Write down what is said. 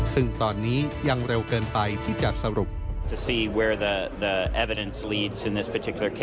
ซึ่งตอนนี้ยังเร็วเกินไปที่จะสรุป